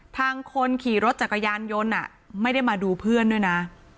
คนขี่รถจักรยานยนต์ไม่ได้มาดูเพื่อนด้วยนะ